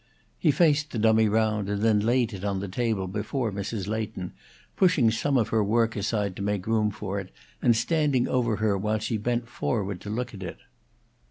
He faced the dummy round, and then laid it on the table before Mrs. Leighton, pushing some of her work aside to make room for it and standing over her while she bent forward to look at it.